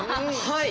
はい。